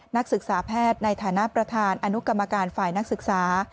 นักศึกษาแพทย์ในฐานะประธานอนุกรรมการฝ่ายนักศึกษา